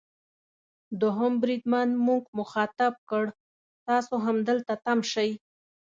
دوهم بریدمن موږ مخاطب کړ: تاسو همدلته تم شئ.